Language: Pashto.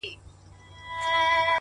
هر منزل له ثابت قدمۍ ترلاسه کېږي,